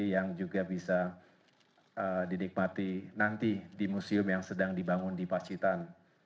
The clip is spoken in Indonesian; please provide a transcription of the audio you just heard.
yang juga bisa dinikmati nanti di museum yang sedang dibangun di pacitan